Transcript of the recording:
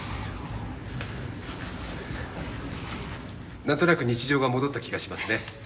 なんとなく日常が戻った気がしますね。